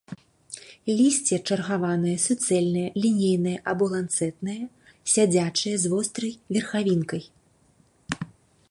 Лісце чаргаванае, суцэльнае, лінейнае або ланцэтнае, сядзячае, з вострай верхавінкай.